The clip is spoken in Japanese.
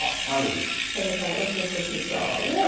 それから、うす口しょうゆ。